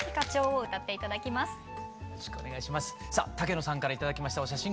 さあ竹野さんから頂きましたお写真